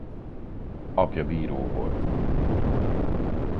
Apja bíró volt.